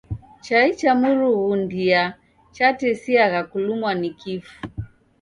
Chai cha mrunghundia chatesiagha kulumwa ni kifu.